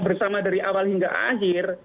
bersama dari awal hingga akhir